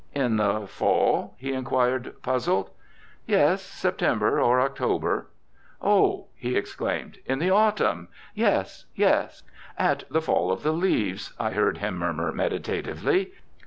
"In the fall?" he inquired, puzzled. "Yes, September or October." "Oh!" he exclaimed, "in the autumn, yes, yes. At the fall of the leaves," I heard him murmur meditatively.